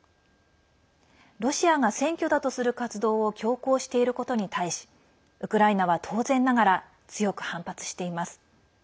ロシアが選挙だとする活動を強行していることに対しウクライナは当然ながら強く反発しています。